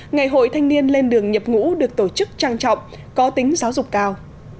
ngày hội thanh niên lên đường nhập ngũ được tổ chức trang trọng có tính giáo dục cao